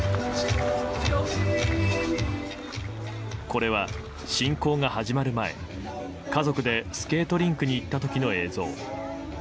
これは、侵攻が始まる前家族でスケートリンクに行った時の映像。